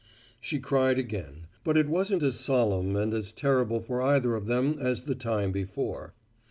She cried again, but it wasn't as solemn and as terrible for either of them as the time before.